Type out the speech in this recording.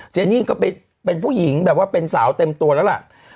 เจนี่ก็เป็นผู้หญิงแบบว่าเป็นสาวเต็มตัวแล้วล่ะ